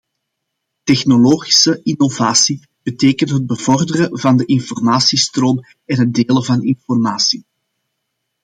Technologische innovatie betekent het bevorderen van de informatiestroom en het delen van informatie.